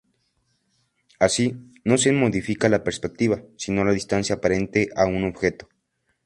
Así, no se modifica la perspectiva, sino la distancia aparente a un objeto.